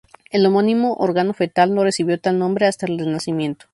El homónimo órgano fetal no recibió tal nombre hasta el Renacimiento.